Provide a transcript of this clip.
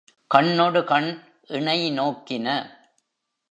கண்னொடு கண் இணை நோக்கின.